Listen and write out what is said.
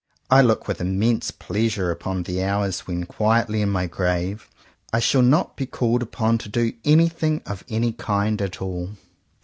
I look with immense pleasure upon the hours when quietly in my grave I shall not be called upon to do anything of any kind at all.